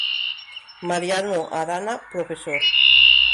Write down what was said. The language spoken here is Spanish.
Mariano Arana, Prof.